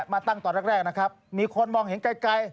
มาตั้งตอนแรกนะครับมีคนมองเห็นไกล